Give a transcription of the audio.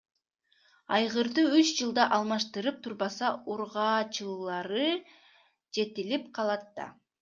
Айгырды үч жылда алмаштырып турбаса, ургаачылары жетилип калат да.